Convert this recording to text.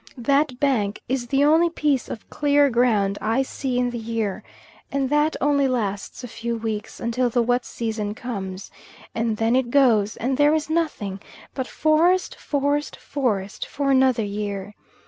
That bank is the only piece of clear ground I see in the year, and that only lasts a few weeks until the wet season comes, and then it goes, and there is nothing but forest, forest, forest, for another year.